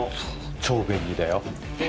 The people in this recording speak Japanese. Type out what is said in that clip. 超便利だよ。